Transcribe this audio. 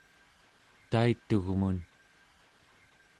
taitugmun